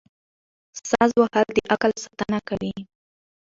ساز وهل د عقل ساتنه کوي.